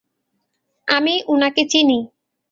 আমি উনাকে চিনি।